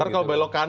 kalau belok kanan